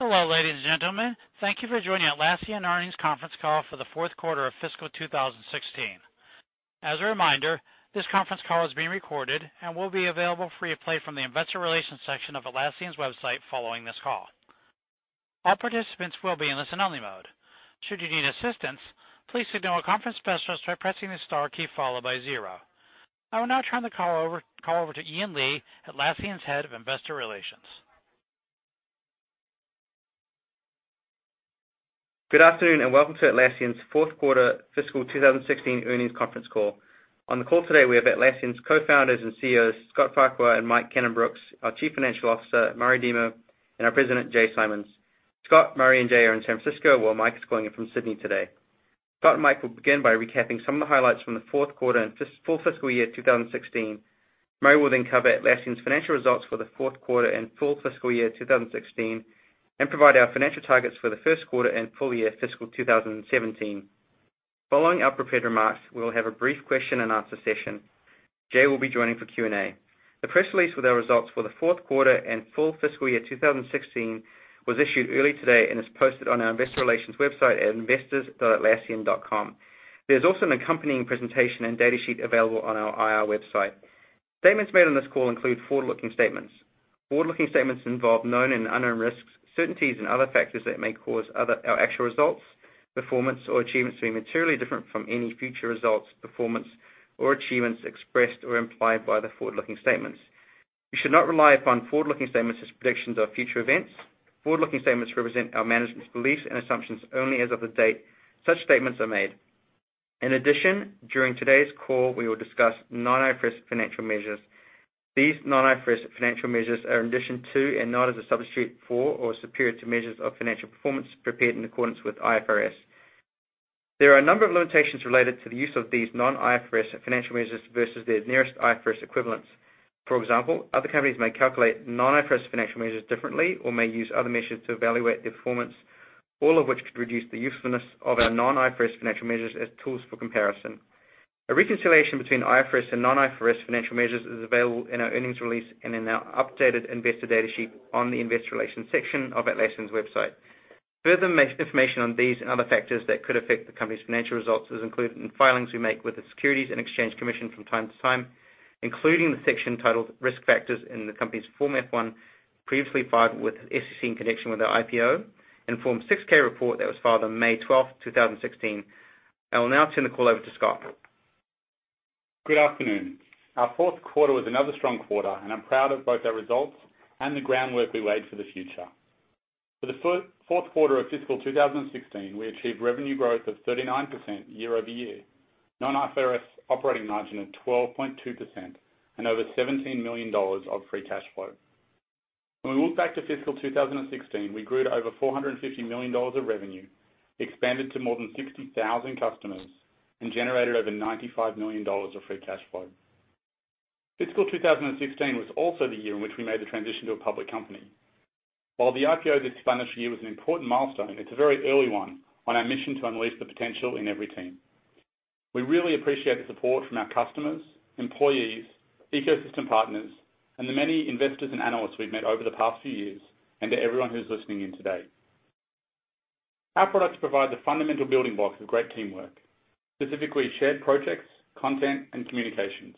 Hello, ladies and gentlemen. Thank you for joining Atlassian earnings conference call for the fourth quarter of fiscal 2016. As a reminder, this conference call is being recorded and will be available for replay from the investor relations section of atlassian.com following this call. All participants will be in listen-only mode. Should you need assistance, please signal a conference specialist by pressing the star key followed by zero. I will now turn the call over to Ian Lee, Atlassian's Head of Investor Relations. Good afternoon and welcome to Atlassian's fourth quarter fiscal 2016 earnings conference call. On the call today, we have Atlassian's co-founders and CEOs, Scott Farquhar and Mike Cannon-Brookes, our Chief Financial Officer, Murray Demo, and our President, Jay Simons. Scott, Murray, and Jay are in San Francisco, while Mike is calling in from Sydney today. Scott and Mike will begin by recapping some of the highlights from the fourth quarter and full fiscal year 2016. Murray will then cover Atlassian's financial results for the fourth quarter and full fiscal year 2016 and provide our financial targets for the first quarter and full year fiscal 2017. Following our prepared remarks, we will have a brief question and answer session. Jay will be joining for Q&A. The press release with our results for the fourth quarter and full fiscal year 2016 was issued early today and is posted on our investor relations website at investors.atlassian.com. There is also an accompanying presentation and data sheet available on our IR website. Statements made on this call include forward-looking statements. Forward-looking statements involve known and unknown risks, certainties, and other factors that may cause our actual results, performance, or achievements to be materially different from any future results, performance, or achievements expressed or implied by the forward-looking statements. You should not rely upon forward-looking statements as predictions of future events. Forward-looking statements represent our management's beliefs and assumptions only as of the date such statements are made. In addition, during today's call, we will discuss non-IFRS financial measures. These non-IFRS financial measures are in addition to, and not as a substitute for or superior to, measures of financial performance prepared in accordance with IFRS. There are a number of limitations related to the use of these non-IFRS financial measures versus their nearest IFRS equivalents. For example, other companies may calculate non-IFRS financial measures differently or may use other measures to evaluate their performance, all of which could reduce the usefulness of our non-IFRS financial measures as tools for comparison. A reconciliation between IFRS and non-IFRS financial measures is available in our earnings release and in our updated investor data sheet on the investor relations section of atlassian.com. Further information on these and other factors that could affect the company's financial results is included in filings we make with the Securities and Exchange Commission from time to time, including the section titled Risk Factors in the company's Form F-1, previously filed with the SEC in connection with our IPO, and Form 6-K report that was filed on May 12th, 2016. I will now turn the call over to Scott. Good afternoon. Our fourth quarter was another strong quarter, and I'm proud of both our results and the groundwork we laid for the future. For the fourth quarter of fiscal 2016, we achieved revenue growth of 39% year-over-year, non-IFRS operating margin of 12.2%, and over $17 million of free cash flow. When we look back to fiscal 2016, we grew to over $450 million of revenue, expanded to more than 60,000 customers, and generated over $95 million of free cash flow. Fiscal 2016 was also the year in which we made the transition to a public company. While the IPO this financial year was an important milestone, it's a very early one on our mission to unleash the potential in every team. We really appreciate the support from our customers, employees, ecosystem partners, and the many investors and analysts we've met over the past few years, and to everyone who's listening in today. Our products provide the fundamental building blocks of great teamwork, specifically shared projects, content, and communications.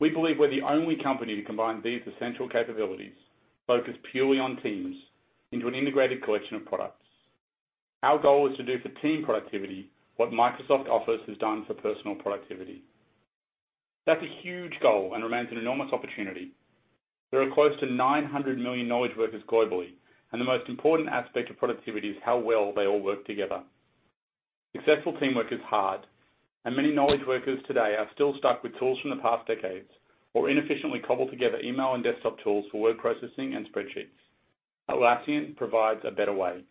We believe we're the only company to combine these essential capabilities, focused purely on teams, into an integrated collection of products. Our goal is to do for team productivity what Microsoft Office has done for personal productivity. That's a huge goal and remains an enormous opportunity. There are close to 900 million knowledge workers globally. The most important aspect of productivity is how well they all work together. Successful teamwork is hard, and many knowledge workers today are still stuck with tools from the past decades or inefficiently cobble together email and desktop tools for word processing and spreadsheets. Atlassian provides a better way.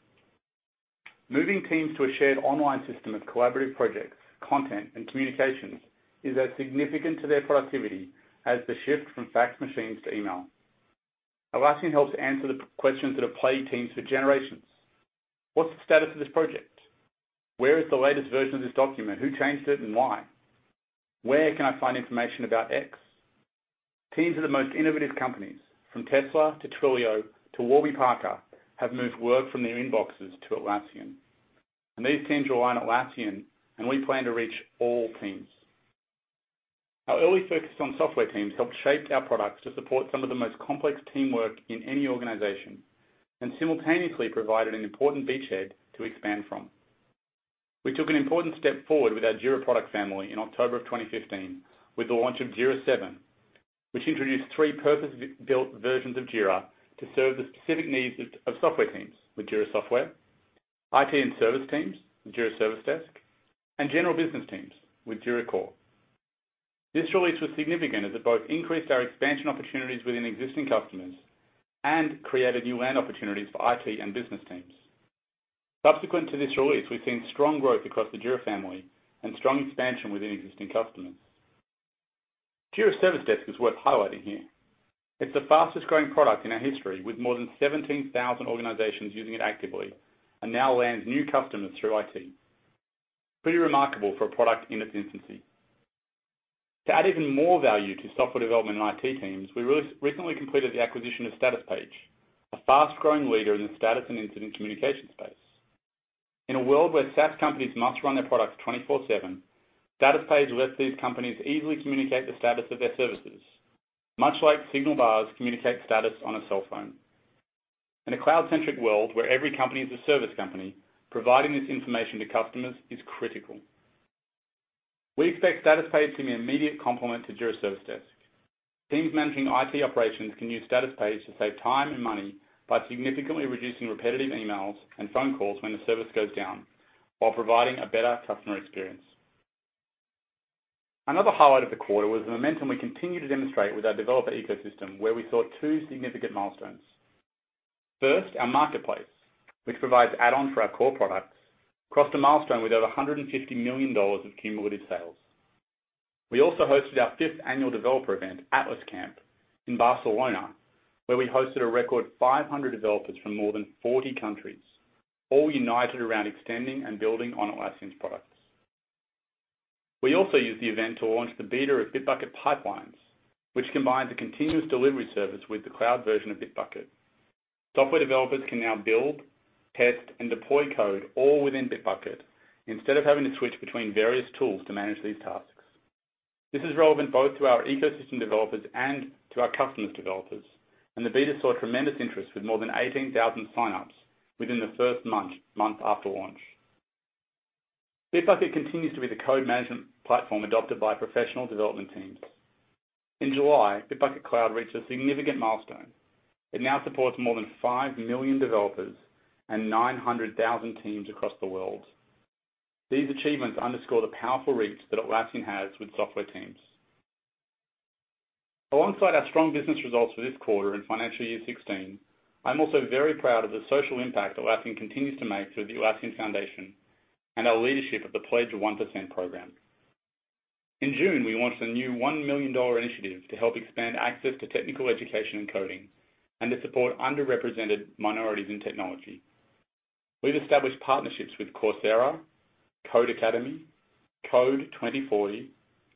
Moving teams to a shared online system of collaborative projects, content, and communications is as significant to their productivity as the shift from fax machines to email. Atlassian helps answer the questions that have plagued teams for generations. What's the status of this project? Where is the latest version of this document? Who changed it and why? Where can I find information about X? Teams at the most innovative companies, from Tesla to Twilio to Warby Parker, have moved work from their inboxes to Atlassian. These teams rely on Atlassian. We plan to reach all teams. Our early focus on software teams helped shape our products to support some of the most complex teamwork in any organization and simultaneously provided an important beachhead to expand from. We took an important step forward with our Jira product family in October 2015 with the launch of Jira 7, which introduced three purpose-built versions of Jira to serve the specific needs of software teams with Jira Software, IT and service teams with Jira Service Desk, and general business teams with Jira Core. This release was significant as it both increased our expansion opportunities within existing customers and created new land opportunities for IT and business teams. Subsequent to this release, we've seen strong growth across the Jira family and strong expansion within existing customers. Jira Service Desk is worth highlighting here. It's the fastest-growing product in our history, with more than 17,000 organizations using it actively, and now lands new customers through IT. Pretty remarkable for a product in its infancy. To add even more value to software development and IT teams, we recently completed the acquisition of Statuspage, a fast-growing leader in the status and incident communication space. In a world where SaaS companies must run their products twenty-four seven, Statuspage lets these companies easily communicate the status of their services, much like signal bars communicate status on a cell phone. In a cloud-centric world where every company is a service company, providing this information to customers is critical. We expect Statuspage to be an immediate complement to Jira Service Desk. Teams managing IT operations can use Statuspage to save time and money by significantly reducing repetitive emails and phone calls when the service goes down while providing a better customer experience. Another highlight of the quarter was the momentum we continue to demonstrate with our developer ecosystem, where we saw two significant milestones. First, our Marketplace, which provides add-ons for our core products, crossed a milestone with over $150 million of cumulative sales. We also hosted our fifth annual developer event, AtlasCamp, in Barcelona, where we hosted a record 500 developers from more than 40 countries, all united around extending and building on Atlassian's products. We also used the event to launch the beta of Bitbucket Pipelines, which combines a continuous delivery service with the cloud version of Bitbucket. Software developers can now build, test, and deploy code all within Bitbucket instead of having to switch between various tools to manage these tasks. This is relevant both to our ecosystem developers and to our customers' developers, and the beta saw tremendous interest, with more than 18,000 sign-ups within the first month after launch. Bitbucket continues to be the code management platform adopted by professional development teams. In July, Bitbucket Cloud reached a significant milestone. It now supports more than 5 million developers and 900,000 teams across the world. These achievements underscore the powerful reach that Atlassian has with software teams. Alongside our strong business results for this quarter and financial year 2016, I'm also very proud of the social impact Atlassian continues to make through the Atlassian Foundation and our leadership of the Pledge 1% program. In June, we launched a new $1 million initiative to help expand access to technical education and coding and to support underrepresented minorities in technology. We've established partnerships with Coursera, Codecademy, Code2040,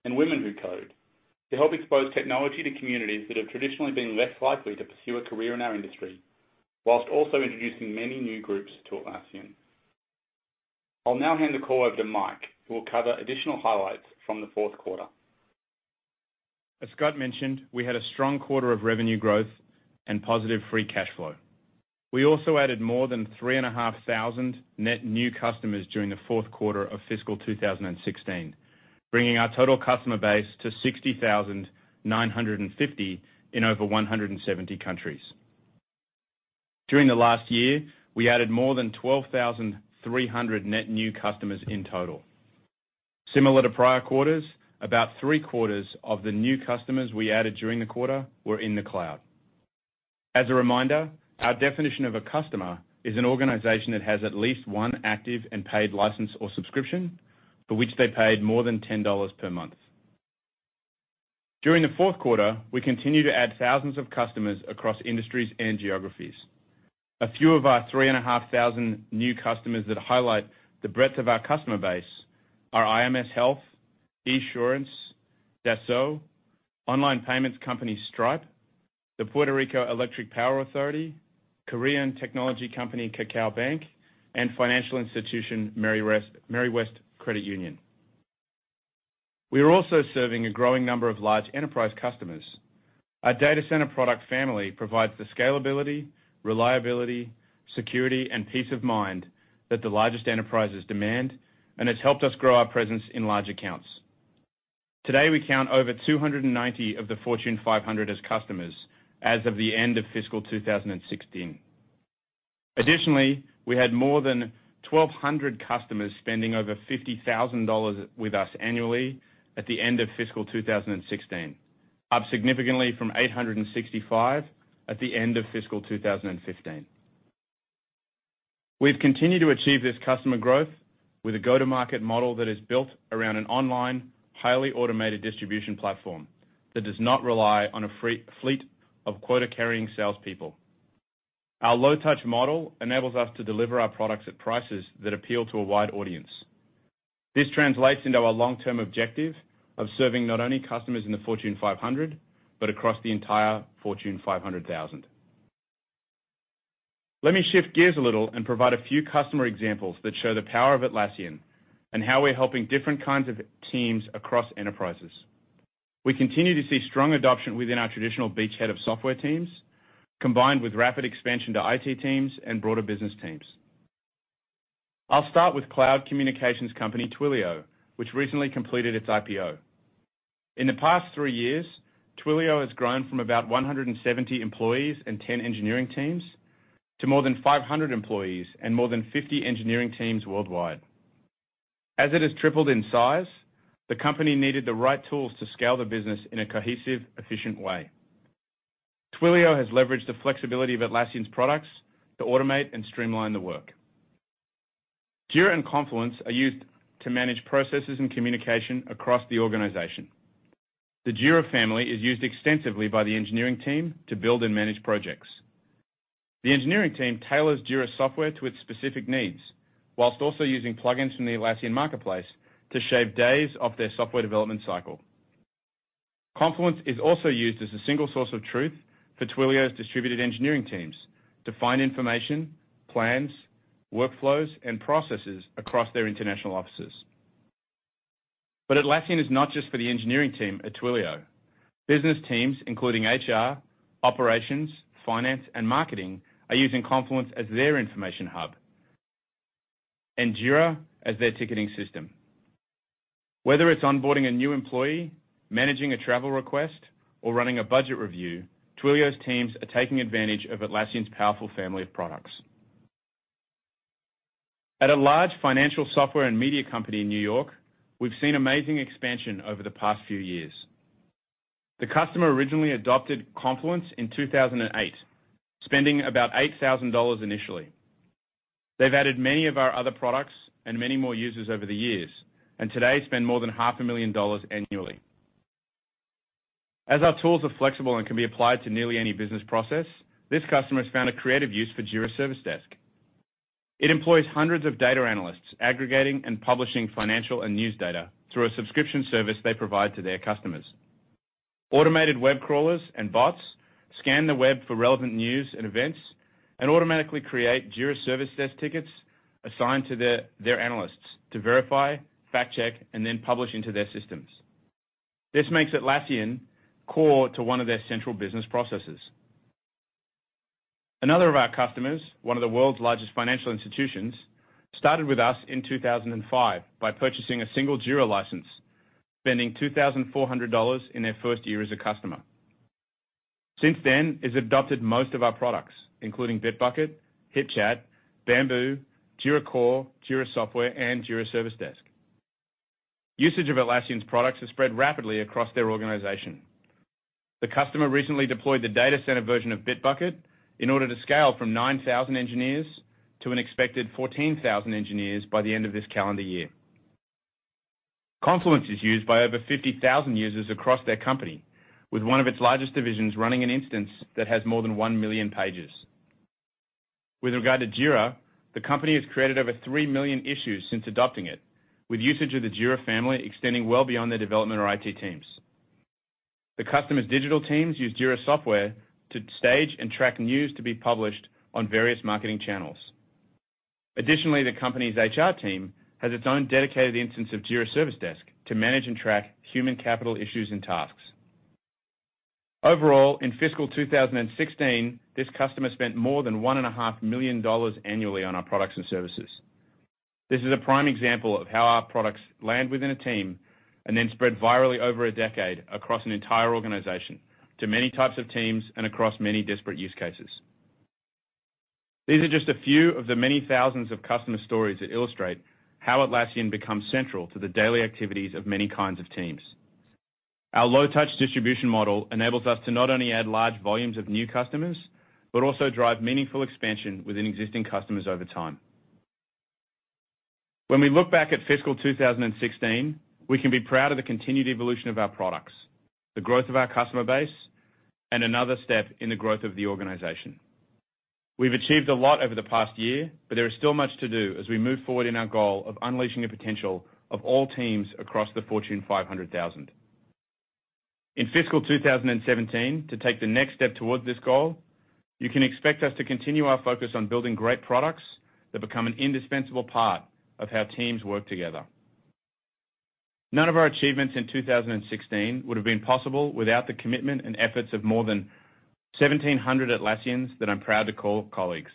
and Women Who Code to help expose technology to communities that have traditionally been less likely to pursue a career in our industry, whilst also introducing many new groups to Atlassian. I'll now hand the call over to Mike, who will cover additional highlights from the fourth quarter. As Scott mentioned, we had a strong quarter of revenue growth and positive free cash flow. We also added more than 3,500 net new customers during the fourth quarter of fiscal 2016, bringing our total customer base to 60,950 in over 170 countries. During the last year, we added more than 12,300 net new customers in total. Similar to prior quarters, about three-quarters of the new customers we added during the quarter were in the cloud. As a reminder, our definition of a customer is an organization that has at least one active and paid license or subscription for which they paid more than $10 per month. During the fourth quarter, we continued to add thousands of customers across industries and geographies. A few of our 3,500 new customers that highlight the breadth of our customer base are IMS Health, Esurance, Dassault, online payments company Stripe, the Puerto Rico Electric Power Authority, Korean technology company KakaoBank, and financial institution Meriwest Credit Union. We are also serving a growing number of large enterprise customers. Our Data Center product family provides the scalability, reliability, security, and peace of mind that the largest enterprises demand and has helped us grow our presence in large accounts. Today, we count over 290 of the Fortune 500 as customers as of the end of fiscal 2016. Additionally, we had more than 1,200 customers spending over $50,000 with us annually at the end of fiscal 2016, up significantly from 865 at the end of fiscal 2015. We've continued to achieve this customer growth with a go-to-market model that is built around an online, highly automated distribution platform that does not rely on a fleet of quota-carrying salespeople. Our low-touch model enables us to deliver our products at prices that appeal to a wide audience. This translates into our long-term objective of serving not only customers in the Fortune 500 but across the entire Fortune 500,000. Let me shift gears a little and provide a few customer examples that show the power of Atlassian and how we're helping different kinds of teams across enterprises. We continue to see strong adoption within our traditional beachhead of software teams, combined with rapid expansion to IT teams and broader business teams. I'll start with cloud communications company Twilio, which recently completed its IPO. In the past three years, Twilio has grown from about 170 employees and 10 engineering teams to more than 500 employees and more than 50 engineering teams worldwide. As it has tripled in size, the company needed the right tools to scale the business in a cohesive, efficient way. Twilio has leveraged the flexibility of Atlassian's products to automate and streamline the work. Jira and Confluence are used to manage processes and communication across the organization. The Jira family is used extensively by the engineering team to build and manage projects. The engineering team tailors Jira Software to its specific needs, whilst also using plugins from the Atlassian Marketplace to shave days off their software development cycle. Confluence is also used as a single source of truth for Twilio's distributed engineering teams to find information, plans, workflows, and processes across their international offices. Atlassian is not just for the engineering team at Twilio. Business teams, including HR, operations, finance, and marketing, are using Confluence as their information hub and Jira as their ticketing system. Whether it's onboarding a new employee, managing a travel request, or running a budget review, Twilio's teams are taking advantage of Atlassian's powerful family of products. At a large financial software and media company in New York, we've seen amazing expansion over the past few years. The customer originally adopted Confluence in 2008, spending about $8,000 initially. They've added many of our other products and many more users over the years, and today spend more than half a million dollars annually. As our tools are flexible and can be applied to nearly any business process, this customer has found a creative use for Jira Service Desk. It employs hundreds of data analysts aggregating and publishing financial and news data through a subscription service they provide to their customers. Automated web crawlers and bots scan the web for relevant news and events and automatically create Jira Service Desk tickets assigned to their analysts to verify, fact check, and then publish into their systems. This makes Atlassian core to one of their central business processes. Another of our customers, one of the world's largest financial institutions, started with us in 2005 by purchasing a single Jira license, spending $2,400 in their first year as a customer. Since then, it's adopted most of our products, including Bitbucket, HipChat, Bamboo, Jira Core, Jira Software, and Jira Service Desk. Usage of Atlassian's products has spread rapidly across their organization. The customer recently deployed the Data Center version of Bitbucket in order to scale from 9,000 engineers to an expected 14,000 engineers by the end of this calendar year. Confluence is used by over 50,000 users across their company, with one of its largest divisions running an instance that has more than 1 million pages. With regard to Jira, the company has created over 3 million issues since adopting it, with usage of the Jira family extending well beyond their development or IT teams. The customer's digital teams use Jira Software to stage and track news to be published on various marketing channels. Additionally, the company's HR team has its own dedicated instance of Jira Service Desk to manage and track human capital issues and tasks. Overall, in fiscal 2016, this customer spent more than $1.5 million annually on our products and services. This is a prime example of how our products land within a team and then spread virally over a decade across an entire organization to many types of teams and across many disparate use cases. These are just a few of the many thousands of customer stories that illustrate how Atlassian becomes central to the daily activities of many kinds of teams. Our low-touch distribution model enables us to not only add large volumes of new customers, but also drive meaningful expansion within existing customers over time. When we look back at fiscal 2016, we can be proud of the continued evolution of our products, the growth of our customer base, and another step in the growth of the organization. We've achieved a lot over the past year. There is still much to do as we move forward in our goal of unleashing the potential of all teams across the Fortune 500,000. In fiscal 2017, to take the next step towards this goal, you can expect us to continue our focus on building great products that become an indispensable part of how teams work together. None of our achievements in 2016 would have been possible without the commitment and efforts of more than 1,700 Atlassians that I'm proud to call colleagues.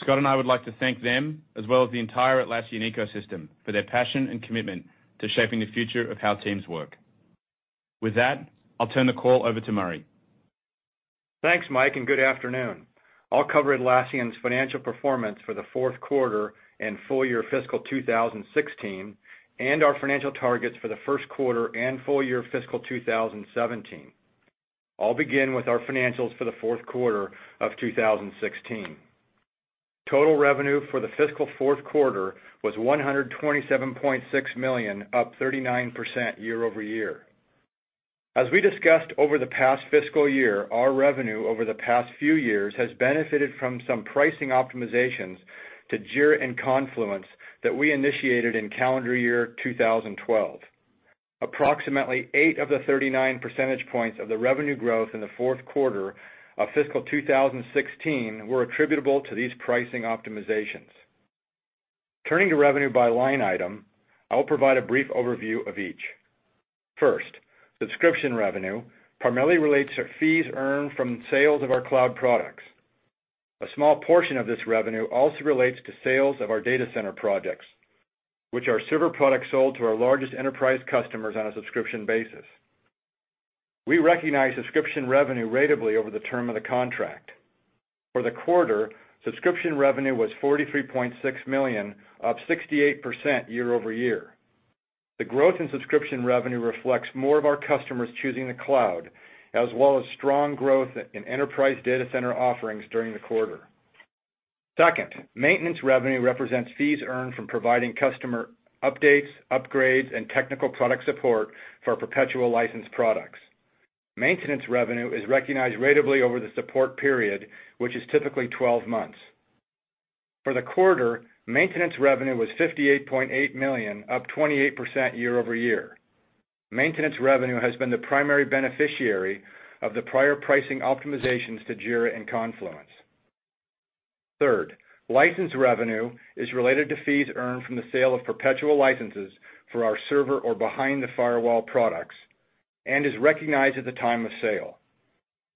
Scott and I would like to thank them, as well as the entire Atlassian ecosystem, for their passion and commitment to shaping the future of how teams work. With that, I'll turn the call over to Murray. Thanks, Mike, and good afternoon. I'll cover Atlassian's financial performance for the fourth quarter and full year fiscal 2016. Our financial targets for the first quarter and full year fiscal 2017. I'll begin with our financials for the fourth quarter of 2016. Total revenue for the fiscal fourth quarter was $127.6 million, up 39% year-over-year. As we discussed over the past fiscal year, our revenue over the past few years has benefited from some pricing optimizations to Jira and Confluence that we initiated in calendar year 2012. Approximately eight of the 39 percentage points of the revenue growth in the fourth quarter of fiscal 2016 were attributable to these pricing optimizations. Turning to revenue by line item, I will provide a brief overview of each. First, subscription revenue primarily relates to fees earned from sales of our cloud products. A small portion of this revenue also relates to sales of our Data Center products, which are server products sold to our largest enterprise customers on a subscription basis. We recognize subscription revenue ratably over the term of the contract. For the quarter, subscription revenue was $43.6 million, up 68% year-over-year. The growth in subscription revenue reflects more of our customers choosing the cloud, as well as strong growth in enterprise Data Center offerings during the quarter. Maintenance revenue represents fees earned from providing customer updates, upgrades, and technical product support for perpetual licensed products. Maintenance revenue is recognized ratably over the support period, which is typically 12 months. For the quarter, maintenance revenue was $58.8 million, up 28% year-over-year. Maintenance revenue has been the primary beneficiary of the prior pricing optimizations to Jira and Confluence. Third, license revenue is related to fees earned from the sale of perpetual licenses for our server or behind-the-firewall products and is recognized at the time of sale.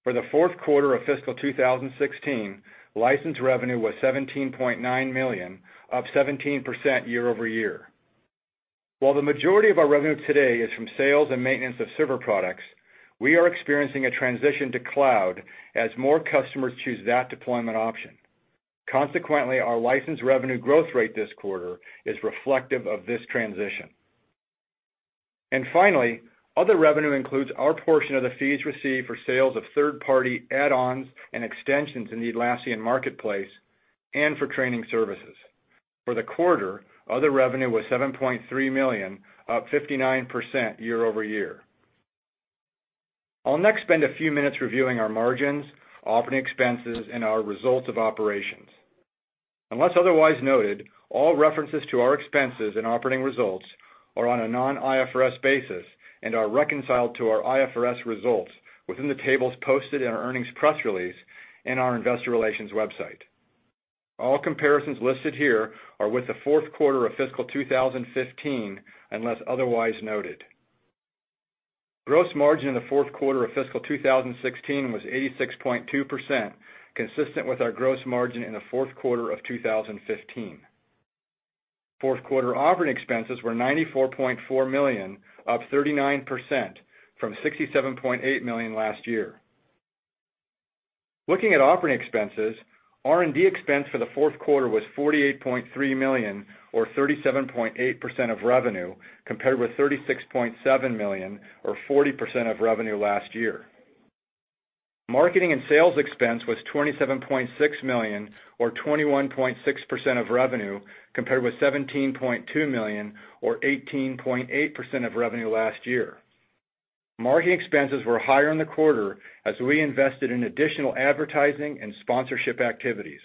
For the fourth quarter of fiscal 2016, license revenue was $17.9 million, up 17% year-over-year. While the majority of our revenue today is from sales and maintenance of server products, we are experiencing a transition to cloud as more customers choose that deployment option. Consequently, our license revenue growth rate this quarter is reflective of this transition. Finally, other revenue includes our portion of the fees received for sales of third-party add-ons and extensions in the Atlassian Marketplace and for training services. For the quarter, other revenue was $7.3 million, up 59% year-over-year. I'll next spend a few minutes reviewing our margins, operating expenses, and our results of operations. Unless otherwise noted, all references to our expenses and operating results are on a non-IFRS basis and are reconciled to our IFRS results within the tables posted in our earnings press release in our investor relations website. All comparisons listed here are with the fourth quarter of fiscal 2015, unless otherwise noted. Gross margin in the fourth quarter of fiscal 2016 was 86.2%, consistent with our gross margin in the fourth quarter of 2015. Fourth quarter operating expenses were $94.4 million, up 39%, from $67.8 million last year. Looking at operating expenses, R&D expense for the fourth quarter was $48.3 million, or 37.8% of revenue, compared with $36.7 million, or 40% of revenue last year. Marketing and sales expense was $27.6 million, or 21.6% of revenue, compared with $17.2 million, or 18.8% of revenue last year. Marketing expenses were higher in the quarter as we invested in additional advertising and sponsorship activities.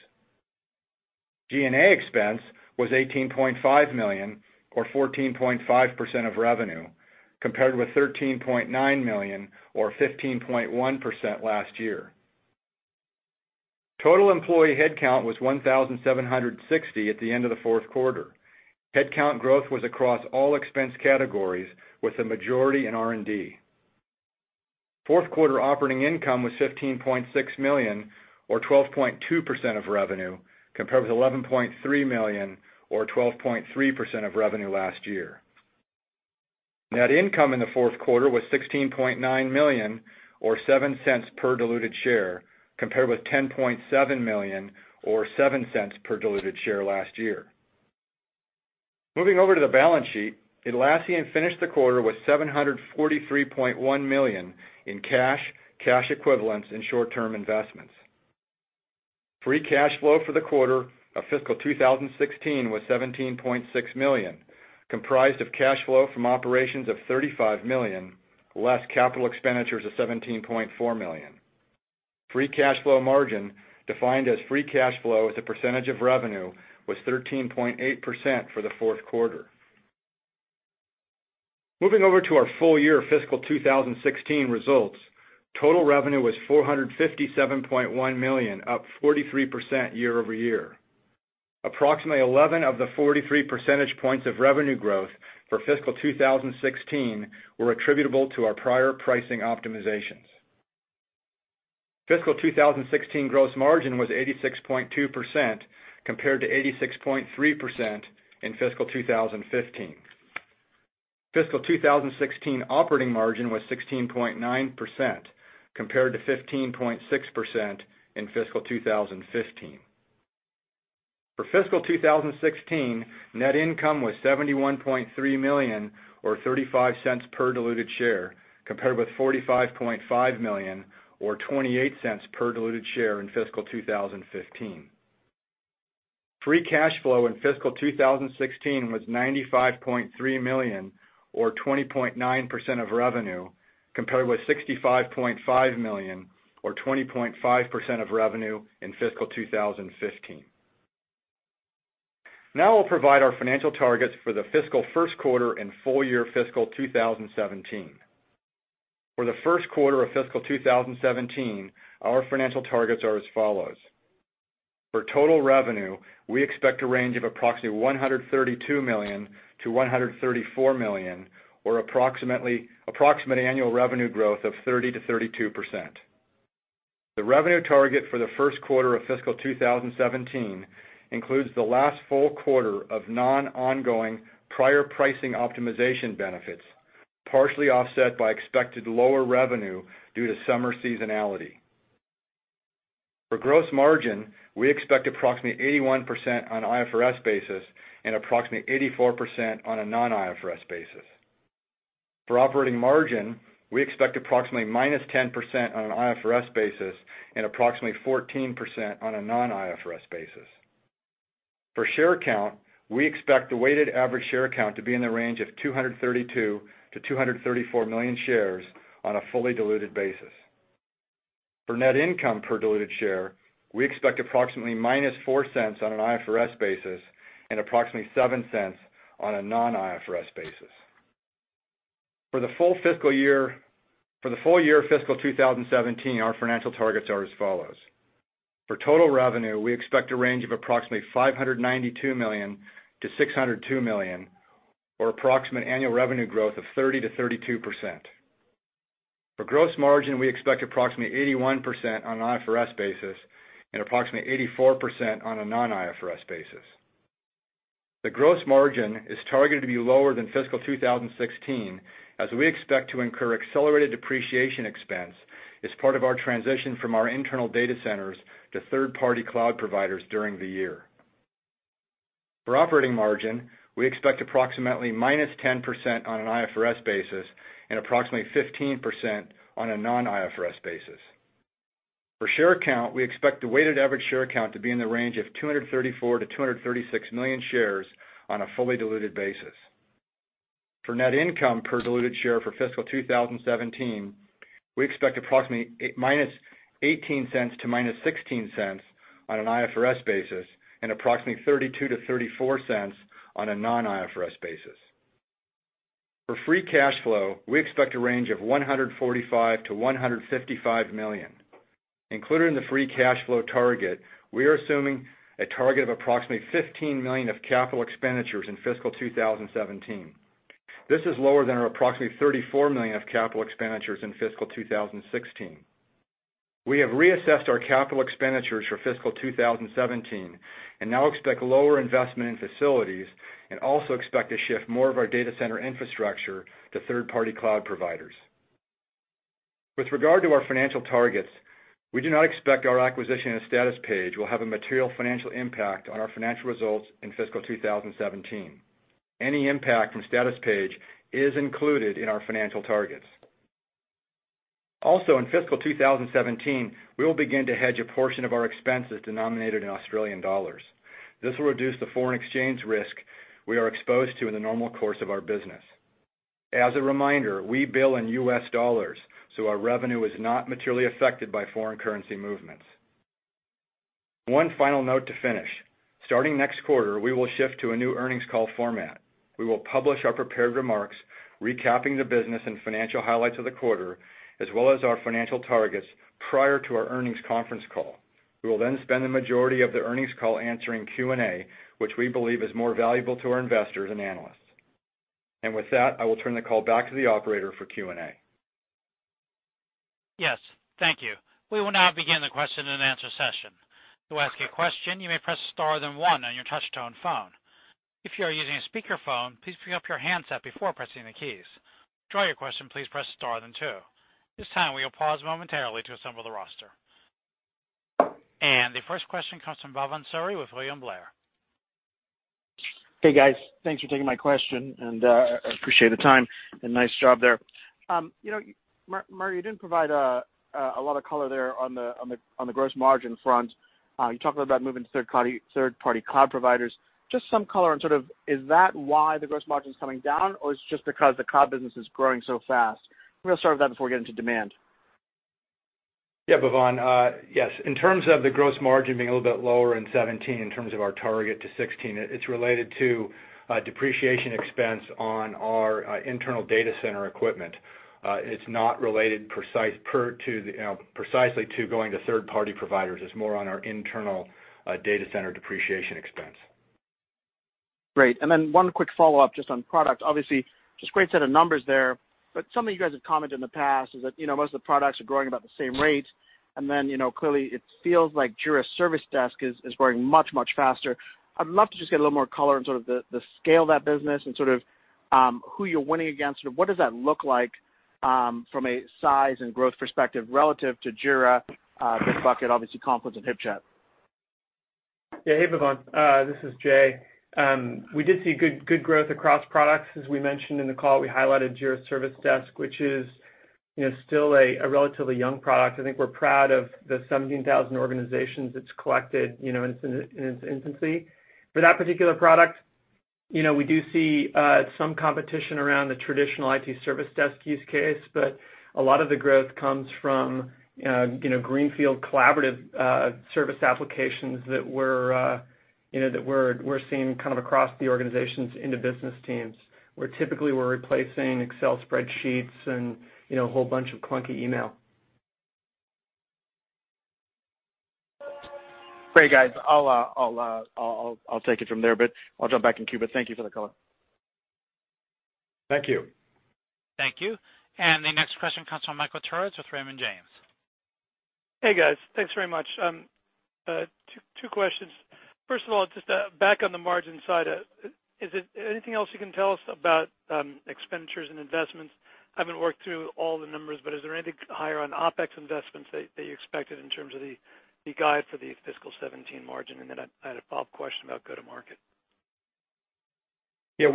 G&A expense was $18.5 million, or 14.5% of revenue, compared with $13.9 million, or 15.1%, last year. Total employee headcount was 1,760 at the end of the fourth quarter. Headcount growth was across all expense categories, with the majority in R&D. Fourth quarter operating income was $15.6 million, or 12.2% of revenue, compared with $11.3 million, or 12.3% of revenue last year. Net income in the fourth quarter was $16.9 million, or $0.07 per diluted share, compared with $10.7 million or $0.07 per diluted share last year. Moving over to the balance sheet, Atlassian finished the quarter with $743.1 million in cash equivalents, and short-term investments. Free cash flow for the quarter of fiscal 2016 was $17.6 million, comprised of cash flow from operations of $35 million, less capital expenditures of $17.4 million. Free cash flow margin, defined as free cash flow as a percentage of revenue, was 13.8% for the fourth quarter. Moving over to our full year fiscal 2016 results, total revenue was $457.1 million, up 43% year-over-year. Approximately 11 of the 43 percentage points of revenue growth for fiscal 2016 were attributable to our prior pricing optimizations. Fiscal 2016 gross margin was 86.2%, compared to 86.3% in fiscal 2015. Fiscal 2016 operating margin was 16.9%, compared to 15.6% in fiscal 2015. For fiscal 2016, net income was $71.3 million, or $0.35 per diluted share, compared with $45.5 million, or $0.28 per diluted share, in fiscal 2015. Free cash flow in fiscal 2016 was $95.3 million, or 20.9% of revenue, compared with $65.5 million, or 20.5% of revenue, in fiscal 2015. Now I'll provide our financial targets for the fiscal first quarter and full year fiscal 2017. For the first quarter of fiscal 2017, our financial targets are as follows. For total revenue, we expect a range of approximately $132 million-$134 million, or approximate annual revenue growth of 30%-32%. The revenue target for the first quarter of fiscal 2017 includes the last full quarter of non-ongoing prior pricing optimization benefits, partially offset by expected lower revenue due to summer seasonality. For gross margin, we expect approximately 81% on an IFRS basis and approximately 84% on a non-IFRS basis. For operating margin, we expect approximately -10% on an IFRS basis and approximately 14% on a non-IFRS basis. For share count, we expect the weighted average share count to be in the range of 232 million-234 million shares on a fully diluted basis. For net income per diluted share, we expect approximately -$0.04 on an IFRS basis and approximately $0.07 on a non-IFRS basis. For the full year fiscal 2017, our financial targets are as follows. For total revenue, we expect a range of approximately $592 million-$602 million, or approximate annual revenue growth of 30%-32%. For gross margin, we expect approximately 81% on an IFRS basis and approximately 84% on a non-IFRS basis. The gross margin is targeted to be lower than fiscal 2016, as we expect to incur accelerated depreciation expense as part of our transition from our internal Data Centers to third-party cloud providers during the year. For operating margin, we expect approximately -10% on an IFRS basis and approximately 15% on a non-IFRS basis. For share count, we expect the weighted average share count to be in the range of 234 million-236 million shares on a fully diluted basis. For net income per diluted share for fiscal 2017, we expect approximately -$0.18--$0.16 on an IFRS basis and approximately $0.32-$0.34 on a non-IFRS basis. For free cash flow, we expect a range of $145 million-$155 million. Included in the free cash flow target, we are assuming a target of approximately $15 million of capital expenditures in fiscal 2017. This is lower than our approximately $34 million of capital expenditures in fiscal 2016. We have reassessed our capital expenditures for fiscal 2017 and now expect lower investment in facilities and also expect to shift more of our Data Center infrastructure to third-party cloud providers. With regard to our financial targets, we do not expect our acquisition of Statuspage will have a material financial impact on our financial results in fiscal 2017. Any impact from Statuspage is included in our financial targets. Also, in fiscal 2017, we will begin to hedge a portion of our expenses denominated in Australian dollars. This will reduce the foreign exchange risk we are exposed to in the normal course of our business. As a reminder, we bill in US dollars, so our revenue is not materially affected by foreign currency movements. One final note to finish. Starting next quarter, we will shift to a new earnings call format. We will publish our prepared remarks, recapping the business and financial highlights of the quarter, as well as our financial targets prior to our earnings conference call. We will then spend the majority of the earnings call answering Q&A, which we believe is more valuable to our investors and analysts. With that, I will turn the call back to the operator for Q&A. Yes. Thank you. We will now begin the question and answer session. To ask a question, you may press star then one on your touch-tone phone. If you are using a speakerphone, please pick up your handset before pressing the keys. To withdraw your question, please press star then two. This time, we will pause momentarily to assemble the roster. The first question comes from Bhavan Suri with William Blair. Hey, guys. Thanks for taking my question, I appreciate the time, and nice job there. You know, Murray, you didn't provide a lot of color there on the gross margin front. You talked about moving to third-party cloud providers. Just some color on sort of is that why the gross margin's coming down, or it's just because the cloud business is growing so fast? I'm going to start with that before we get into demand. Yeah, Bhavan. In terms of the gross margin being a little bit lower in 2017 in terms of our target to 2016, it's related to depreciation expense on our internal Data Center equipment. It's not related precisely to going to third-party providers. It's more on our internal Data Center depreciation expense. Great. Then one quick follow-up just on product. Obviously, just great set of numbers there, but something you guys have commented in the past is that most of the products are growing about the same rate, then clearly it feels like Jira Service Desk is growing much, much faster. I'd love to just get a little more color on sort of the scale of that business and sort of who you're winning against, sort of what does that look like from a size and growth perspective relative to Jira, Bitbucket, obviously Confluence and HipChat? Hey, Bhavan. This is Jay. We did see good growth across products. As we mentioned in the call, we highlighted Jira Service Desk, which is still a relatively young product. I think we're proud of the 17,000 organizations it's collected in its infancy. For that particular product, we do see some competition around the traditional IT service desk use case, but a lot of the growth comes from greenfield collaborative service applications that we're seeing kind of across the organizations into business teams, where typically we're replacing Excel spreadsheets and a whole bunch of clunky email. Great, guys. I'll take it from there, but I'll jump back in queue, but thank you for the color. Thank you. Thank you. The next question comes from Michael Tur with Raymond James. Hey, guys. Thanks very much. Two questions. First of all, just back on the margin side, is there anything else you can tell us about expenditures and investments? I haven't worked through all the numbers, but is there anything higher on OpEx investments that you expected in terms of the guide for the fiscal 2017 margin? I had a follow-up question about go-to-market. Yeah,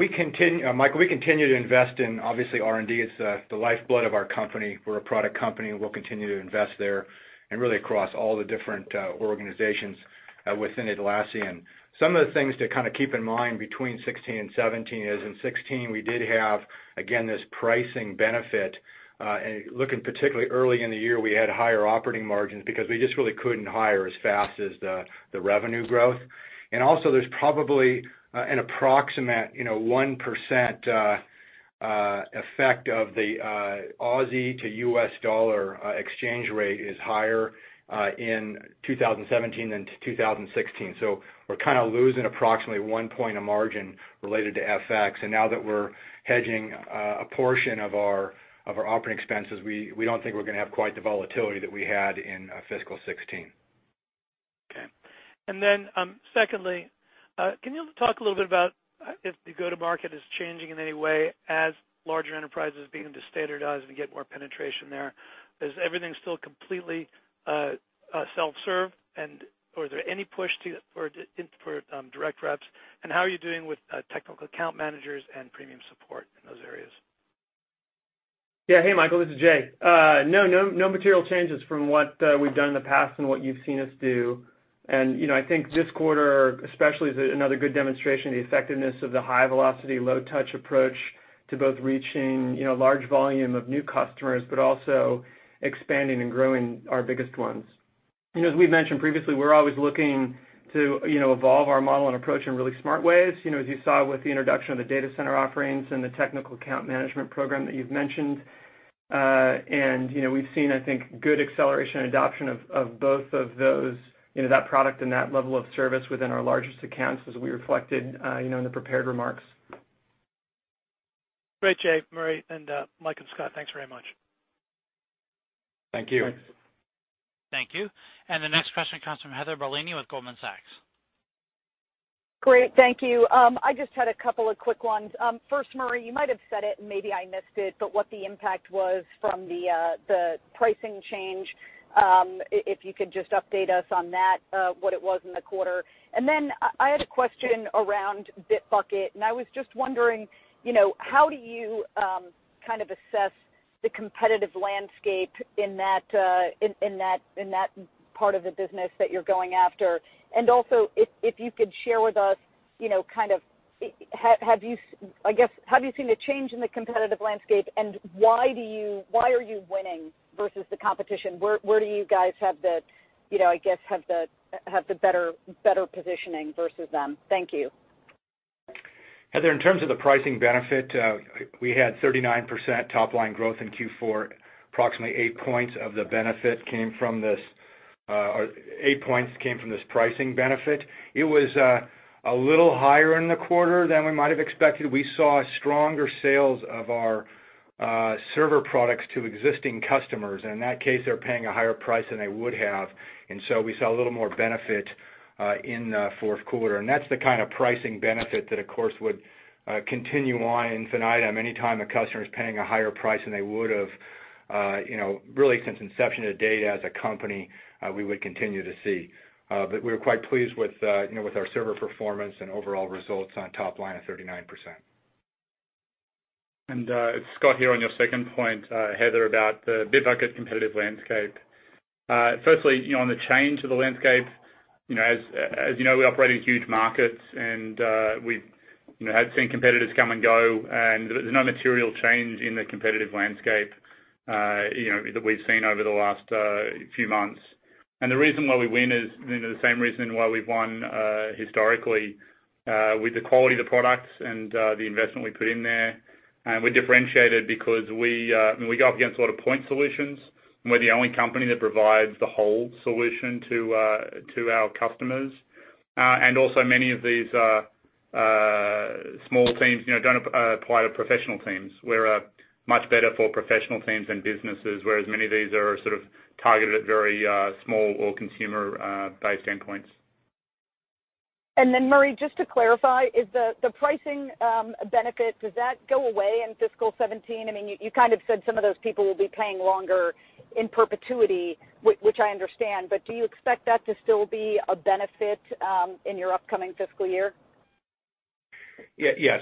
Michael, we continue to invest in, obviously, R&D. It's the lifeblood of our company. We're a product company, and we'll continue to invest there and really across all the different organizations within Atlassian. Some of the things to keep in mind between 2016 and 2017 is in 2016, we did have, again, this pricing benefit. Looking particularly early in the year, we had higher operating margins because we just really couldn't hire as fast as the revenue growth. Also, there's probably an approximate 1% effect of the Aussie to US dollar exchange rate is higher in 2017 than 2016. We're losing approximately one point of margin related to FX. Now that we're hedging a portion of our operating expenses, we don't think we're going to have quite the volatility that we had in fiscal 2016. Okay. Secondly, can you talk a little bit about if the go-to-market is changing in any way as larger enterprises begin to standardize and get more penetration there? Is everything still completely self-serve? Are there any push for direct reps? How are you doing with technical account managers and premium support in those areas? Yeah, hey Michael, this is Jay. No material changes from what we've done in the past and what you've seen us do. I think this quarter especially is another good demonstration of the effectiveness of the high-velocity, low-touch approach to both reaching large volume of new customers, but also expanding and growing our biggest ones. As we've mentioned previously, we're always looking to evolve our model and approach in really smart ways, as you saw with the introduction of the Data Center offerings and the technical account management program that you've mentioned. We've seen, I think, good acceleration and adoption of both of those, that product and that level of service within our largest accounts as we reflected in the prepared remarks. Great, Jay. Murray, and Mike and Scott, thanks very much. Thank you. Thanks. Thank you. The next question comes from Heather Bellini with Goldman Sachs. Great. Thank you. I just had a couple of quick ones. First, Murray, you might have said it, and maybe I missed it, but what the impact was from the pricing change, if you could just update us on that, what it was in the quarter. Then I had a question around Bitbucket, and I was just wondering how do you assess the competitive landscape in that part of the business that you're going after? Also, if you could share with us, I guess, have you seen a change in the competitive landscape, and why are you winning versus the competition? Where do you guys, I guess, have the better positioning versus them? Thank you. Heather, in terms of the pricing benefit, we had 39% top-line growth in Q4. Approximately eight points came from this pricing benefit. It was a little higher in the quarter than we might have expected. We saw stronger sales of our server products to existing customers. In that case, they're paying a higher price than they would have, so we saw a little more benefit in the fourth quarter. That's the kind of pricing benefit that, of course, would continue on. It's an item anytime a customer is paying a higher price than they would have, really since inception to date as a company, we would continue to see. We're quite pleased with our server performance and overall results on top line of 39%. It's Scott here on your second point, Heather, about the Bitbucket competitive landscape. Firstly, on the change of the landscape, as you know, we operate in huge markets, and we've had seen competitors come and go, and there's no material change in the competitive landscape that we've seen over the last few months. The reason why we win is the same reason why we've won historically, with the quality of the products and the investment we put in there. We're differentiated because we go up against a lot of point solutions, and we're the only company that provides the whole solution to our customers. Also many of these small teams don't apply to professional teams. We're much better for professional teams than businesses, whereas many of these are sort of targeted at very small or consumer-based endpoints. Then Murray, just to clarify, the pricing benefit, does that go away in fiscal 2017? You said some of those people will be paying longer in perpetuity, which I understand, but do you expect that to still be a benefit in your upcoming fiscal year? Yes.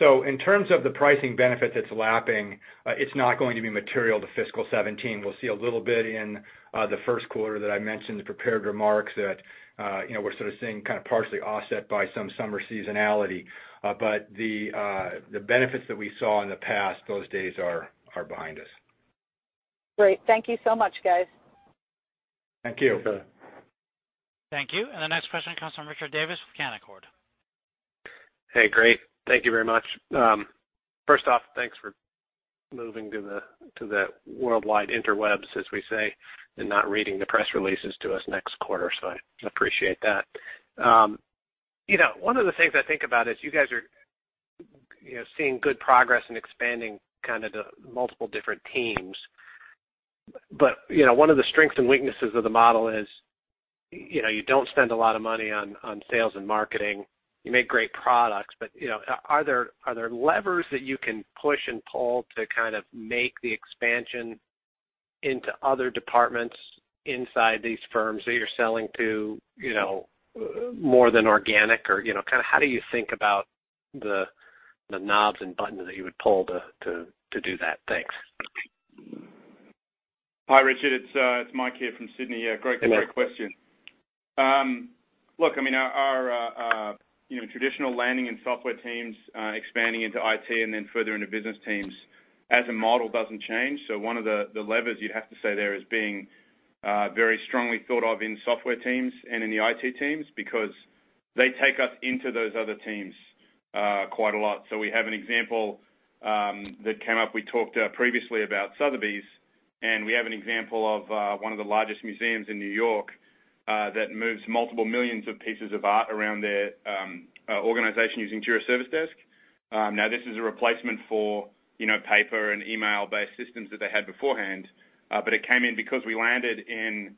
In terms of the pricing benefit that's lapping, it's not going to be material to fiscal 2017. We'll see a little bit in the first quarter that I mentioned in the prepared remarks that we're sort of seeing partially offset by some summer seasonality. The benefits that we saw in the past, those days are behind us. Great. Thank you so much, guys. Thank you. Okay. Thank you. The next question comes from Richard Davis with Canaccord. Hey, great. Thank you very much. First off, thanks for moving to the worldwide interwebs, as we say, and not reading the press releases to us next quarter, so I appreciate that. One of the things I think about is you guys are seeing good progress in expanding the multiple different teams. One of the strengths and weaknesses of the model is you don't spend a lot of money on sales and marketing. You make great products, are there levers that you can push and pull to kind of make the expansion into other departments inside these firms that you're selling to more than organic? How do you think about the knobs and buttons that you would pull to do that? Thanks. Hi, Richard. It's Mike here from Sydney. Great question. Yeah. Our traditional landing and software teams expanding into IT and then further into business teams as a model doesn't change. One of the levers you'd have to say there is being very strongly thought of in software teams and in the IT teams, because they take us into those other teams quite a lot. We have an example that came up. We talked previously about Sotheby's, and we have an example of one of the largest museums in New York, that moves multiple millions of pieces of art around their organization using Jira Service Desk. This is a replacement for paper and email-based systems that they had beforehand. It came in because we landed in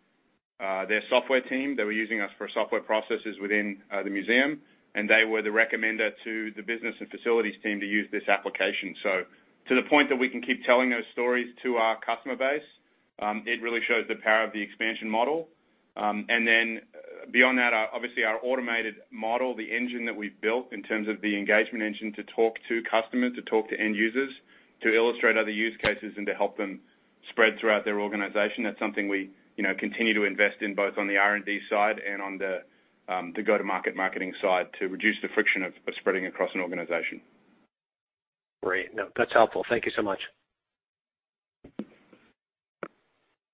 their software team. They were using us for software processes within the museum, and they were the recommender to the business and facilities team to use this application. To the point that we can keep telling those stories to our customer base, it really shows the power of the expansion model. Beyond that, obviously our automated model, the engine that we've built in terms of the engagement engine to talk to customers, to talk to end users, to illustrate other use cases and to help them spread throughout their organization. That's something we continue to invest in, both on the R&D side and on the go-to-market marketing side to reduce the friction of spreading across an organization. Great. No, that's helpful. Thank you so much.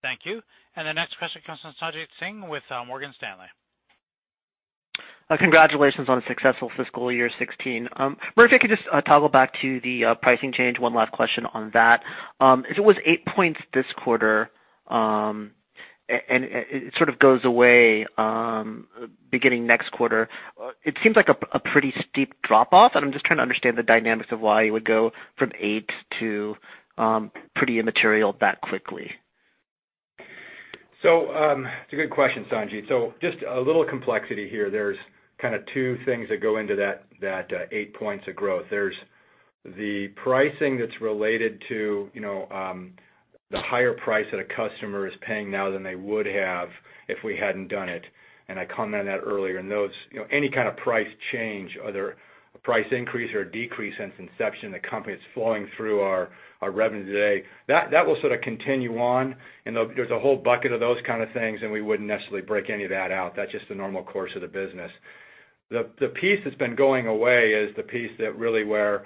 Thank you. The next question comes from Sanjit Singh with Morgan Stanley. Congratulations on a successful fiscal year 2016. Murray, if you could just toggle back to the pricing change, one last question on that. As it was eight points this quarter, it sort of goes away beginning next quarter. It seems like a pretty steep drop-off, and I'm just trying to understand the dynamics of why you would go from eight to pretty immaterial that quickly. It's a good question, Sanjit. Just a little complexity here. There's kind of two things that go into that eight points of growth. There's the pricing that's related to the higher price that a customer is paying now than they would have if we hadn't done it. I commented that earlier. Any kind of price change, whether a price increase or a decrease since inception of the company, that's flowing through our revenue today. That will sort of continue on, and there's a whole bucket of those kind of things, and we wouldn't necessarily break any of that out. That's just the normal course of the business. The piece that's been going away is the piece that really where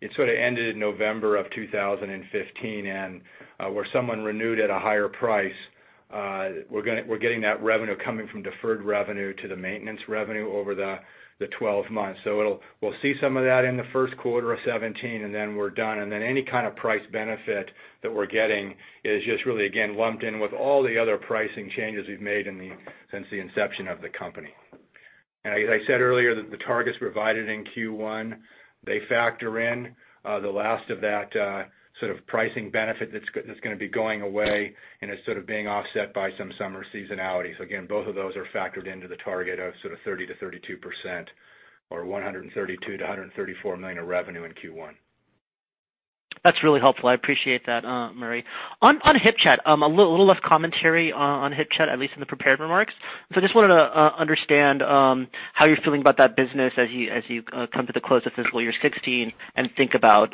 it sort of ended November of 2015 and where someone renewed at a higher price. We're getting that revenue coming from deferred revenue to the maintenance revenue over the 12 months. We'll see some of that in the first quarter of 2017, then we're done. Any kind of price benefit that we're getting is just really, again, lumped in with all the other pricing changes we've made since the inception of the company. As I said earlier, the targets provided in Q1, they factor in the last of that sort of pricing benefit that's going to be going away and is sort of being offset by some summer seasonality. Again, both of those are factored into the target of sort of 30%-32% or $132 million-$134 million of revenue in Q1. That's really helpful. I appreciate that, Murray. On Hipchat, a little less commentary on Hipchat, at least in the prepared remarks. I just wanted to understand how you're feeling about that business as you come to the close of fiscal year 2016 and think about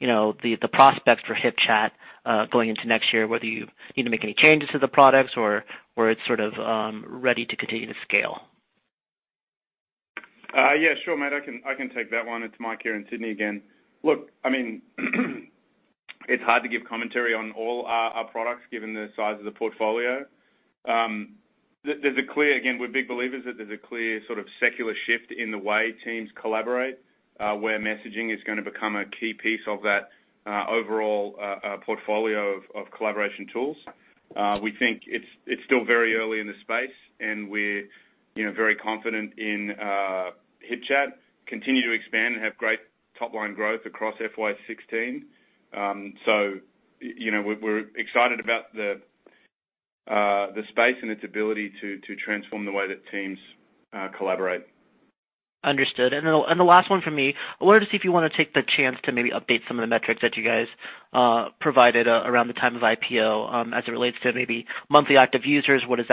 the prospects for Hipchat, going into next year, whether you need to make any changes to the products or it's sort of ready to continue to scale. Yeah, sure, mate. I can take that one. It's Mike here in Sydney again. It's hard to give commentary on all our products given the size of the portfolio. We're big believers that there's a clear sort of secular shift in the way teams collaborate, where messaging is going to become a key piece of that overall portfolio of collaboration tools. We think it's still very early in the space, and we're very confident in Hipchat continue to expand and have great top-line growth across FY 2016. We're excited about the space and its ability to transform the way that teams collaborate. Understood. The last one from me. I wanted to see if you want to take the chance to maybe update some of the metrics that you guys provided around the time of IPO, as it relates to maybe monthly active users. What has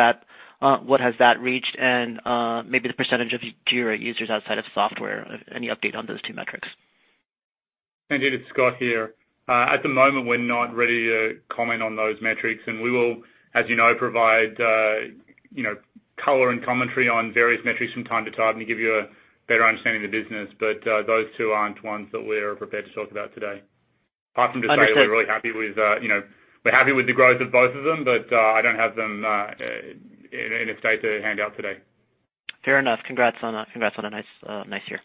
that reached? Maybe the percentage of Jira users outside of software. Any update on those two metrics? Sanjit, it's Scott here. At the moment, we're not ready to comment on those metrics. We will, as you know, provide color and commentary on various metrics from time to time to give you a better understanding of the business. Those two aren't ones that we're prepared to talk about today. Apart from to say. Understood We're happy with the growth of both of them, I don't have them in a state to hand out today. Fair enough. Congrats on a nice year.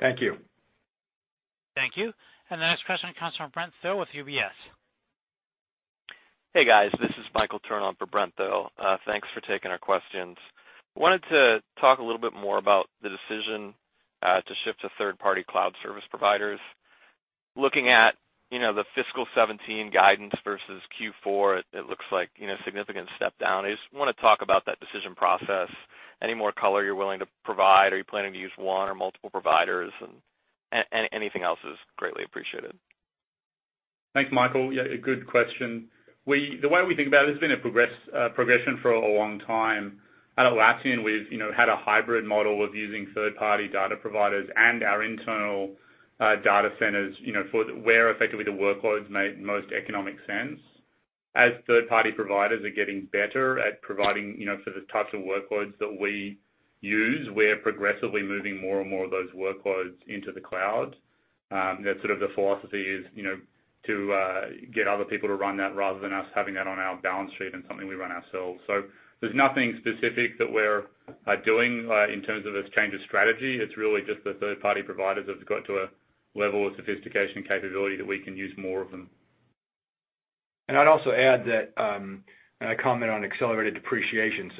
Thank you. Thank you. The next question comes from Brent Thill with UBS. Hey guys, this is Michael Turrin for Brento. Thanks for taking our questions. Wanted to talk a little bit more about the decision to shift to third-party cloud service providers. Looking at the fiscal 2017 guidance versus Q4, it looks like a significant step down. I just want to talk about that decision process. Any more color you're willing to provide? Are you planning to use one or multiple providers? Anything else is greatly appreciated. Thanks, Michael. Yeah, a good question. The way we think about it's been a progression for a long time. At Atlassian, we've had a hybrid model of using third-party data providers and our internal data centers, for where effectively the workloads make most economic sense. As third-party providers are getting better at providing for the types of workloads that we use, we're progressively moving more and more of those workloads into the cloud. That's sort of the philosophy is, to get other people to run that rather than us having that on our balance sheet and something we run ourselves. There's nothing specific that we're doing in terms of this change of strategy. It's really just the third-party providers have got to a level of sophistication and capability that we can use more of them. I'd also add that, and I comment on accelerated depreciation.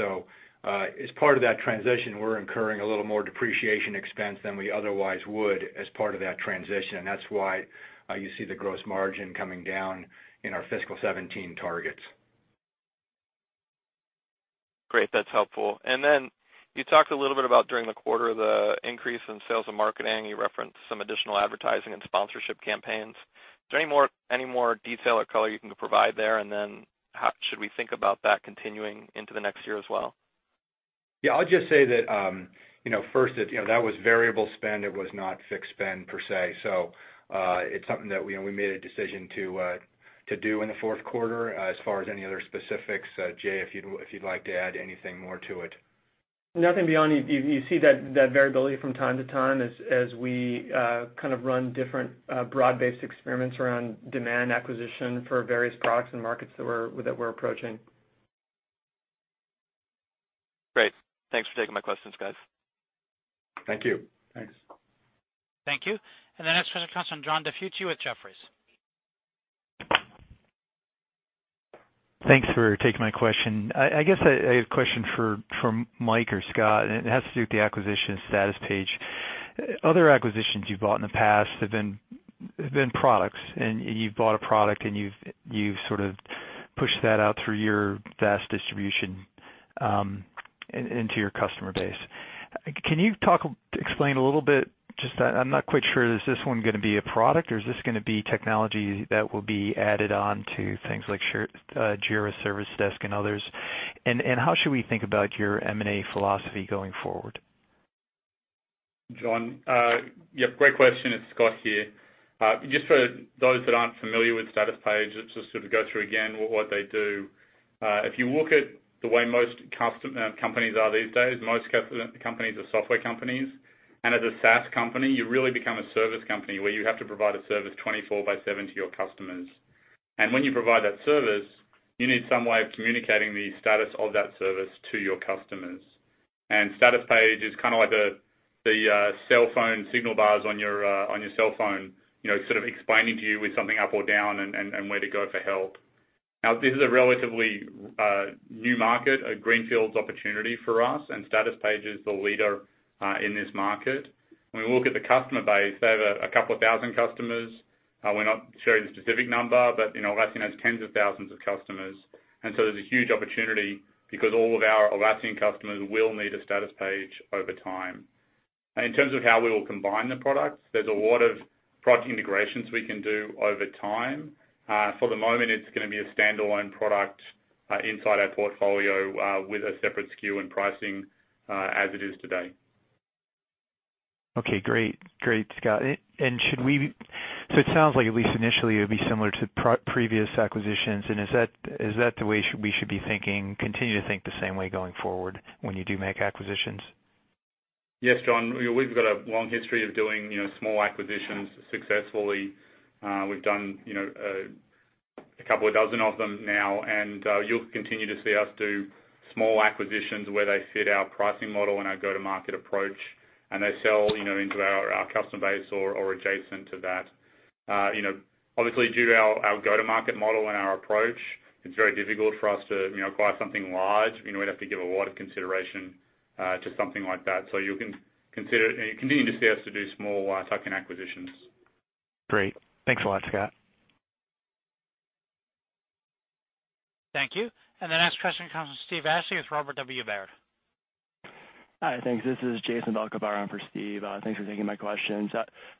As part of that transition, we're incurring a little more depreciation expense than we otherwise would as part of that transition. That's why you see the gross margin coming down in our fiscal 2017 targets. Great. That's helpful. You talked a little bit about during the quarter, the increase in sales and marketing. You referenced some additional advertising and sponsorship campaigns. Is there any more detail or color you can provide there? How should we think about that continuing into the next year as well? Yeah, I'll just say that, first, that was variable spend. It was not fixed spend per se. It's something that we made a decision to do in the fourth quarter. As far as any other specifics, Jay, if you'd like to add anything more to it. Nothing beyond. You see that variability from time to time as we kind of run different broad-based experiments around demand acquisition for various products and markets that we're approaching. Great. Thanks for taking my questions, guys. Thank you. Thanks. Thank you. The next question comes from John DiFucci with Jefferies. Thanks for taking my question. I guess I have a question for Mike or Scott, and it has to do with the acquisition of Statuspage. Other acquisitions you've bought in the past have been products, and you've bought a product and you've sort of pushed that out through your vast distribution into your customer base. Can you explain a little bit, just I'm not quite sure, is this one going to be a product or is this going to be technology that will be added on to things like Jira Service Desk and others? How should we think about your M&A philosophy going forward? John, yep, great question. It's Scott here. Just for those that aren't familiar with Statuspage, just to sort of go through again what they do. If you look at the way most companies are these days, most companies are software companies. As a SaaS company, you really become a service company where you have to provide a service 24/7 to your customers. When you provide that service, you need some way of communicating the status of that service to your customers. Statuspage is kind of like the cell phone signal bars on your cell phone, sort of explaining to you when something up or down and where to go for help. Now, this is a relatively new market, a greenfield opportunity for us, and Statuspage is the leader in this market. When we look at the customer base, they have a couple of thousand customers. We're not sharing the specific number, but Atlassian has tens of thousands of customers. There's a huge opportunity because all of our Atlassian customers will need a Statuspage over time. In terms of how we will combine the products, there's a lot of product integrations we can do over time. For the moment, it's going to be a standalone product inside our portfolio, with a separate SKU and pricing, as it is today. Okay, great. Great, Scott. It sounds like at least initially, it'll be similar to previous acquisitions. Is that the way we should be thinking, continue to think the same way going forward when you do make acquisitions? Yes, John. We've got a long history of doing small acquisitions successfully. We've done a couple of dozen of them now. You'll continue to see us do small acquisitions where they fit our pricing model and our go-to-market approach, and they sell into our customer base or adjacent to that. Obviously due to our go-to-market model and our approach, it's very difficult for us to acquire something large. We'd have to give a lot of consideration to something like that. You can continue to see us to do small tuck-in acquisitions. Great. Thanks a lot, Scott. Thank you. The next question comes from Steve Ashley with Robert W. Baird. Hi, thanks. This is Jason Velkavrh in for Steve. Thanks for taking my questions.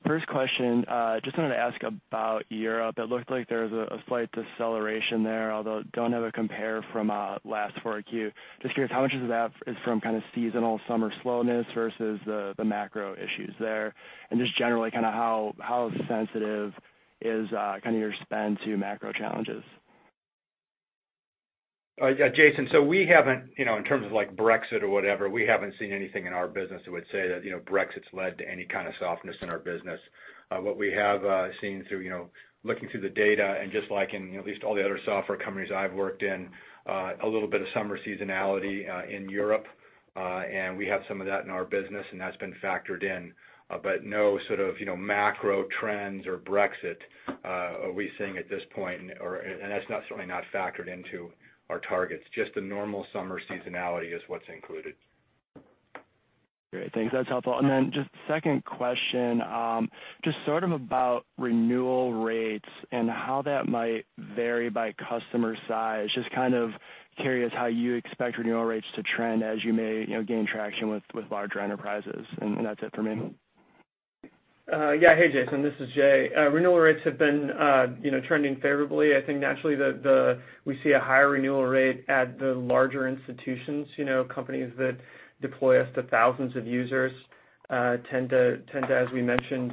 First question, just wanted to ask about Europe. It looked like there was a slight deceleration there, although don't have a compare from last 4Q. Just curious how much of that is from seasonal summer slowness versus the macro issues there. Just generally, how sensitive is your spend to macro challenges? Yeah, Jason. We haven't, in terms of Brexit or whatever, we haven't seen anything in our business that would say that Brexit's led to any softness in our business. What we have seen through looking through the data and just in at least all the other software companies I've worked in, a little bit of summer seasonality in Europe. We have some of that in our business, and that's been factored in. No sort of macro trends or Brexit are we seeing at this point, and that's certainly not factored into our targets. Just the normal summer seasonality is what's included. Great. Thanks. That's helpful. Second question, about renewal rates and how that might vary by customer size. Curious how you expect renewal rates to trend as you may gain traction with larger enterprises, and that's it for me. Yeah. Hey, Jason, this is Jay. Renewal rates have been trending favorably. I think naturally, we see a higher renewal rate at the larger institutions. Companies that deploy us to thousands of users, as we mentioned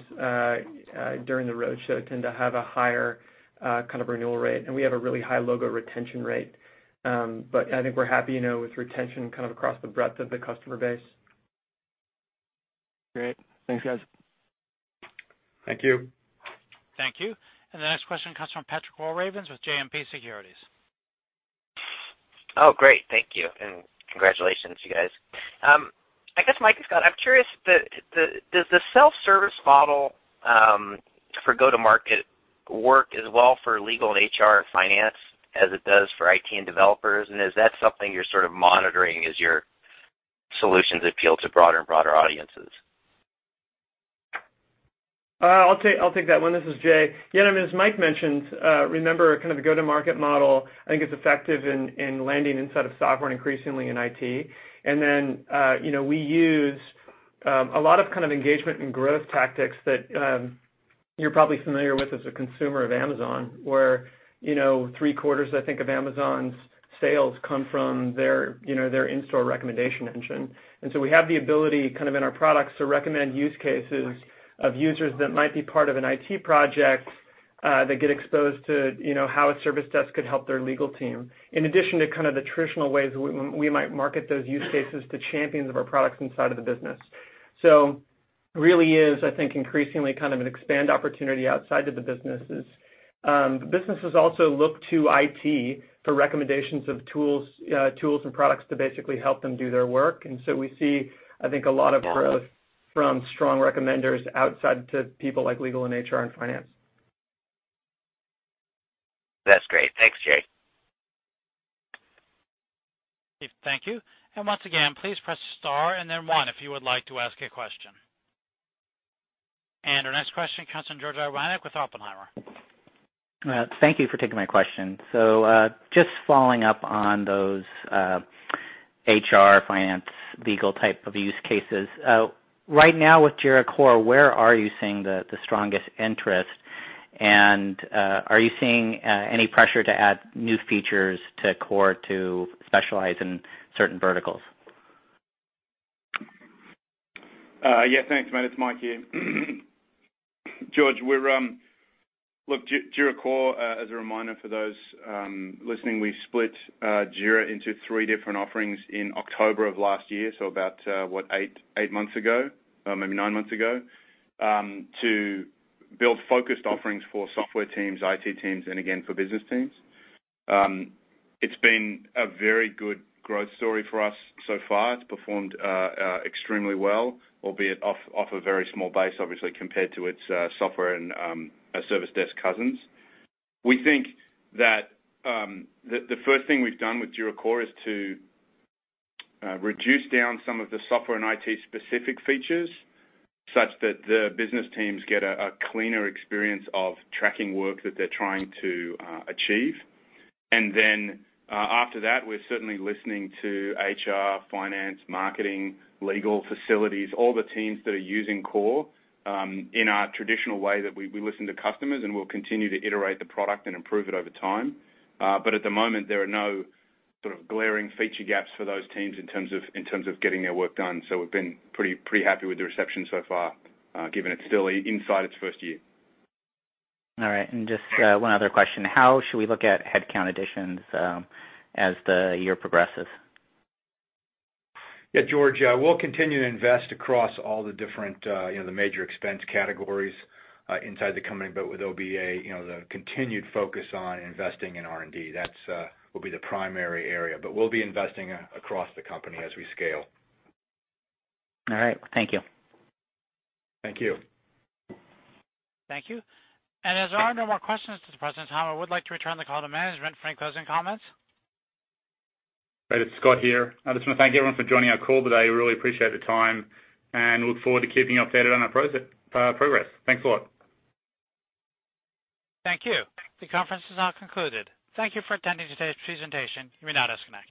during the roadshow, tend to have a higher kind of renewal rate. We have a really high logo retention rate. I think we're happy, with retention kind of across the breadth of the customer base. Great. Thanks, guys. Thank you. Thank you. The next question comes from Patrick Walravens with JMP Securities. Oh, great. Thank you, and congratulations, you guys. I guess, Mike Cannon-Brookes and Scott Farquhar, I'm curious, does the self-service model for go-to-market work as well for legal and HR and finance as it does for IT and developers? Is that something you're sort of monitoring as your solutions appeal to broader and broader audiences? I'll take that one. This is Jay Simons. As Mike Cannon-Brookes mentioned, remember kind of the go-to-market model, I think, is effective in landing inside of software and increasingly in IT. We use a lot of kind of engagement and growth tactics that you're probably familiar with as a consumer of Amazon, where three-quarters, I think, of Amazon's sales come from their in-store recommendation engine. We have the ability, kind of in our products, to recommend use cases of users that might be part of an IT project, that get exposed to how a service desk could help their legal team, in addition to the traditional ways we might market those use cases to champions of our products inside of the business. Really is, I think, increasingly kind of an expand opportunity outside of the businesses. The businesses also look to IT for recommendations of tools and products to basically help them do their work. We see, I think, a lot of growth from strong recommenders outside to people like legal and HR and finance. That's great. Thanks, Jay Simons. Thank you. Once again, please press star and then 1 if you would like to ask a question. Our next question comes from George Iwanyc with Oppenheimer. Thank you for taking my question. Just following up on those HR, finance, legal type of use cases. Right now with Jira Core, where are you seeing the strongest interest? Are you seeing any pressure to add new features to Core to specialize in certain verticals? Thanks, mate. It's Mike here. George, Jira Core, as a reminder for those listening, we split Jira into 3 different offerings in October of last year, so about, what? 8 months ago, maybe 9 months ago, to build focused offerings for software teams, IT teams, and again, for business teams. It's been a very good growth story for us so far. It's performed extremely well, albeit off a very small base, obviously, compared to its software and service desk cousins. We think that the first thing we've done with Jira Core is to reduce down some of the software and IT-specific features, such that the business teams get a cleaner experience of tracking work that they're trying to achieve. Then, after that, we're certainly listening to HR, finance, marketing, legal, facilities, all the teams that are using Core, in our traditional way that we listen to customers, and we'll continue to iterate the product and improve it over time. At the moment, there are no sort of glaring feature gaps for those teams in terms of getting their work done. We've been pretty happy with the reception so far, given it's still inside its first year. Just one other question. How should we look at headcount additions as the year progresses? Yeah, George Iwanyc, we'll continue to invest across all the different major expense categories inside the company. With obvious, the continued focus on investing in R&D. That will be the primary area. We'll be investing across the company as we scale. All right. Thank you. Thank you. Thank you. As there are no more questions at this present time, I would like to return the call to management for any closing comments. Great. It's Scott here. I just want to thank everyone for joining our call today. Really appreciate the time, and look forward to keeping you updated on our progress. Thanks a lot. Thank you. The conference is now concluded. Thank you for attending today's presentation. You may now disconnect.